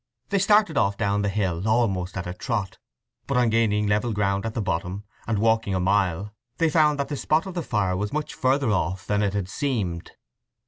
They started off down the hill almost at a trot; but on gaining level ground at the bottom, and walking a mile, they found that the spot of the fire was much further off than it had seemed.